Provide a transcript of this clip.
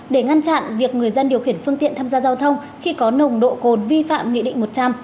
để ngăn chặn việc người dân điều khiển phương tiện tham gia giao thông khi có nồng độ cồn vi phạm nghị định một trăm linh